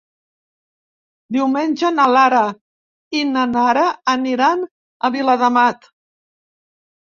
Diumenge na Lara i na Nara aniran a Viladamat.